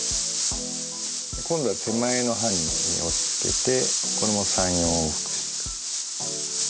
今度は手前の歯に押しつけてこれも３４往復してください。